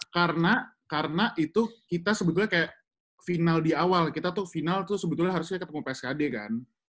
karena karena itu kita sebetulnya kayak final di awal kita tuh final tuh sebetulnya harusnya ketemu pskd kan